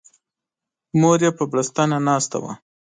مور یې په بړستنه ناسته وه.